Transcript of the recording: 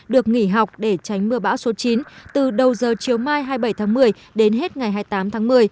được nghỉ học để tránh mưa bão số chín từ đầu giờ chiều mai hai mươi bảy tháng một mươi đến hết ngày hai mươi tám tháng một mươi